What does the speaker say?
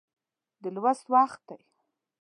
د لوست وخت دی